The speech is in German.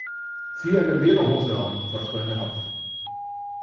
Zieh eine Lederhose an, falls du eine hast!